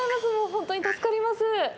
本当に助かります！